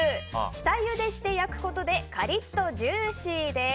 下ゆでして焼くことでカリッとジューシーです。